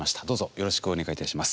よろしくお願いします。